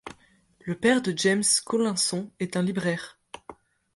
Le père de James Collinson est un libraire.